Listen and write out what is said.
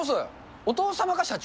お父様が社長？